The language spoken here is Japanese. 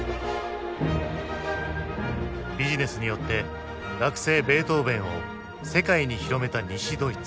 ビジネスによって「楽聖」ベートーヴェンを世界に広めた西ドイツ。